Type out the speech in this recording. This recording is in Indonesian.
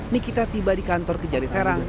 nikita tiba di kantor kejari serang